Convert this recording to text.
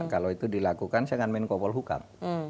kalau itu dilakukan saya akan menikmati menko polukam